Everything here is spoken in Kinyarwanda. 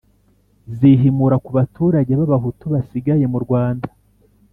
zihimura ku baturage b'abahutu basigaye mu rwanda.